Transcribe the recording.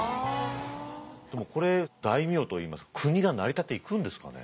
でもこれ大名といいますか国が成り立っていくんですかね。